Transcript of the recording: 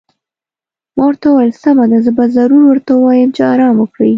ما ورته وویل: سمه ده، زه به ضرور ورته ووایم چې ارام وکړي.